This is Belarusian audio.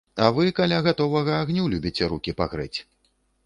А вы каля гатовага агню любіце рукі пагрэць.